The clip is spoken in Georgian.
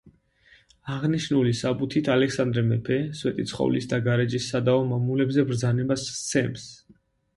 აღნიშნული საბუთით ალექსანდრე მეფე, სვეტიცხოვლის და გარეჯის სადავო მამულებზე ბრძანებას სცემს.